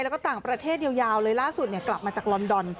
แล้วก็ต่างประเทศยาวเลยล่าสุดกลับมาจากลอนดอน